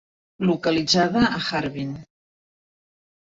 Localitzada a Harbin.